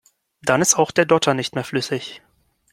Dann ist auch der Dotter nicht mehr flüssig.